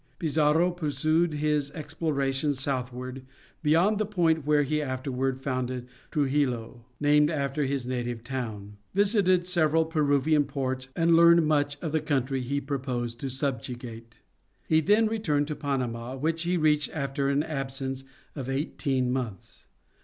Pizarro pursued his explorations southward, beyond the point where he afterward founded Truxillo, named after his native town; visited several Peruvian ports, and learned much of the country he proposed to subjugate. He then returned to Panama, which he reached after an absence of eighteen months.